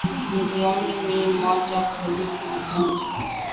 milioni mi moja sabini na tatu